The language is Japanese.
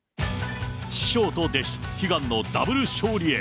師匠と弟子、悲願のダブル勝利へ。